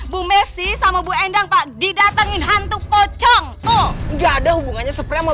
bu messi sama bu endang pak didatangin hantu pocong tuh enggak ada hubungannya sepre